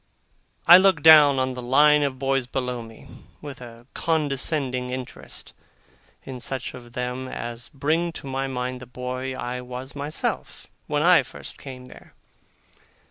I look down on the line of boys below me, with a condescending interest in such of them as bring to my mind the boy I was myself, when I first came there.